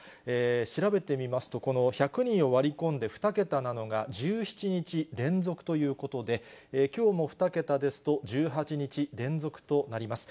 調べてみますと、この１００人を割り込んで２桁なのが１７日連続ということで、きょうも２桁ですと、１８日連続となります。